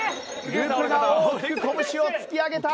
Ｌｕｐが大きく拳を突き上げた！